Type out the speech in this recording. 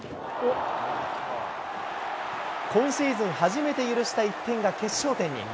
今シーズン初めて許した１点が決勝点に。